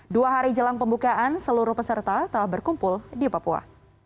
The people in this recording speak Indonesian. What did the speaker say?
dua hari jelang pembukaan seluruh peserta telah berkumpul di papua